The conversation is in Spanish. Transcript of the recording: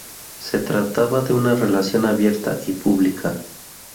Se trataba de una relación "abierta" y pública.